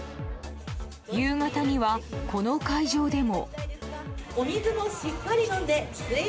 夕方には、この会場でも。